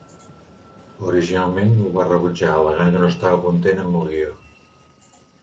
Originalment ho va rebutjar, al·legant que no estava content amb el guió.